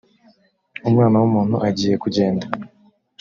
umwana w’umuntu agiye kugenda